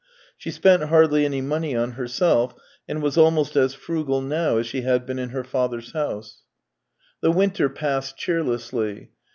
She spent hardly any money on herself, and was almost as frugal now as she had been in her father's house. THREE YEARS 291 The winter passed cheerlessly.